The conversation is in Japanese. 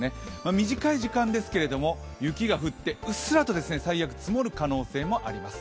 短い時間ですけれども雪が降ってうっすらと最悪、積もる可能性もあります。